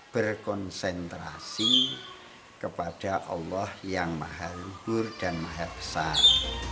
berkonsentrasi kepada allah yang mahal bur dan mahal besar